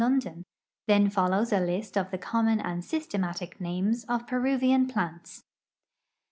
ondon ; then follows a list of tlie common and systematic names of Peruvian plants.